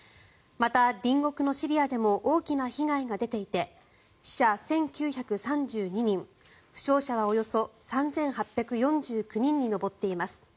また、隣国のシリアでも大きな被害が出ていて死者１９３２人負傷者はおよそ３８４９人に上っています。